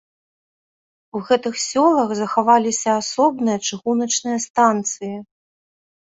У гэтых сёлах захаваліся асобныя чыгуначныя станцыі.